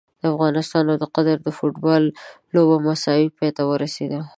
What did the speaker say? افغانستان او قطر د فوټبال لوبه مساوي پای ته ورسیده!